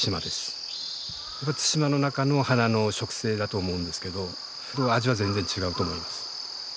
対馬の中の花の植生だと思うんですけど味は全然違うと思います。